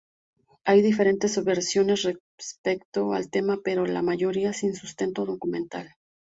Hay diferentes versiones respecto al tema pero, la mayoría sin sustento documental.